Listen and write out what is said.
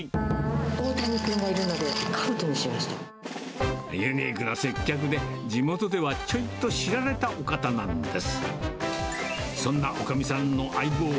大谷君がいるので、かぶとにユニークな接客で、地元ではちょいと知られたお方なんです。